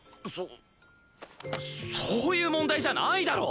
そそういう問題じゃないだろ！